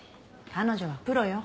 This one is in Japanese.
彼女はプロよ。